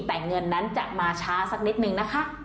แต่เงินนั้นจะมาช้าสักนิดนึงนะคะ